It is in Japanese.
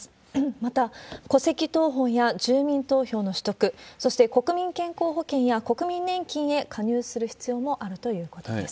また、戸籍謄本や住民票の取得、そして国民健康保険や国民年金へ加入する必要があるということです。